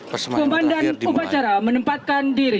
pembandaan upacara menempatkan diri